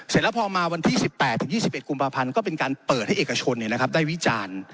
เสร็จแล้วพอมาวันที่๑๘๒๑กุมภาพันธ์ก็เป็นการเปิดให้เอกชนได้วิจารณ์